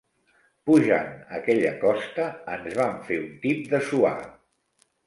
Pujant aquella costa, ens vam fer un tip de suar.